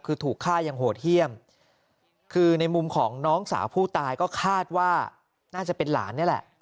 คือถูกฆ่ายังโหดเยี่ยมคือในมุมของน้องสาวผู้ตายก็คาดว่าน่าจะเป็นหลานนี่แหละ